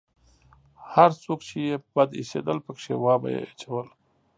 هر څوک چې يې بد اېسېدل پکښې وابه يې چول.